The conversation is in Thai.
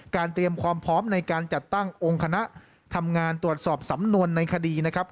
เตรียมความพร้อมในการจัดตั้งองค์คณะทำงานตรวจสอบสำนวนในคดีนะครับ